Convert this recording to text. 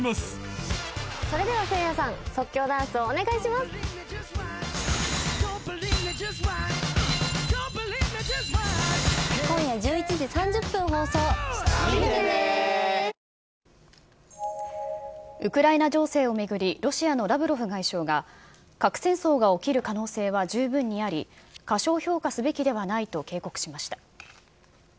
また国際条約に基づき、ウクライナ情勢を巡り、ロシアのラブロフ外相が、核戦争が起きる可能性は十分にあり、過小評価すべきではないと警告しました。